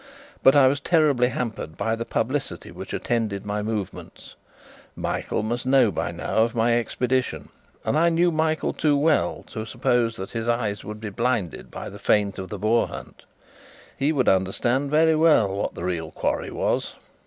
But I was terribly hampered by the publicity which attended my movements. Michael must know by now of my expedition; and I knew Michael too well to suppose that his eyes would be blinded by the feint of the boar hunt. He would understand very well what the real quarry was.